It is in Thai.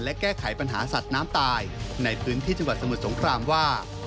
และแก้ไขปัญหาสัตว์น้ำตายในพื้นที่จังหวัดสมุทรสงครามว่า